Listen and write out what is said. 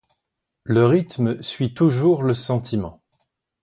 Le rythme suit toujours le sentiment.